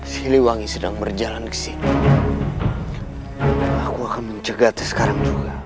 siliwangi sedang berjalan kesini aku akan mencegat sekarang juga